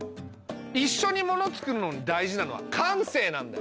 一緒にモノ作るのに大事なのは感性なんだよ。